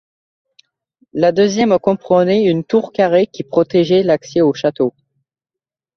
La deuxième comprenait une tour carrée qui protégeait l'accès au château.